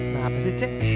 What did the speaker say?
nah apa sih cik